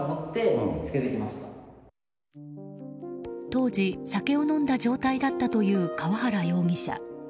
当時酒を飲んだ状態だったという川原容疑者。